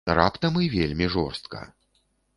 Раптам і вельмі жорстка.